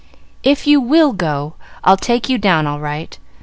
"If you will go, I'll take you down all right.